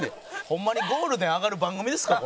ホンマにゴールデン上がる番組ですか？